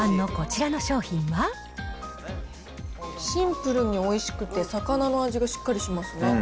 シンプルにおいしくて、魚の味がしっかりします。